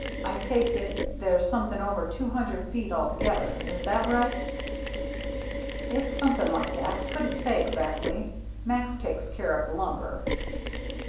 I take it there's something over two million feet altogether. Is that right?" "It's something like that. Couldn't say exactly. Max takes care of the lumber."